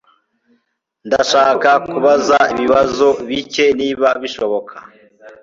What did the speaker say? Ndashaka kubaza ibibazo bike niba bishoboka.